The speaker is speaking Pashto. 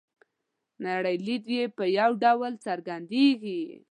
نړۍ لید یې په یوه ډول څرګندیږي.